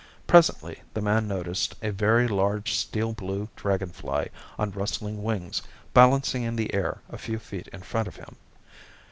Presently the man noticed a very large steel blue dragon fly on rustling wings balancing in the air a few feet in front of him.